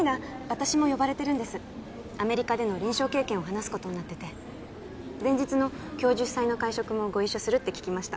私も呼ばれてるんですアメリカでの臨床経験を話すことになってて前日の教授主催の会食もご一緒するって聞きました